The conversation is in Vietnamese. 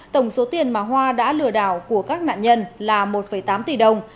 tổng số tiền mà hoa đã lừa đảo của các nạn nhân là một tám tỷ đồng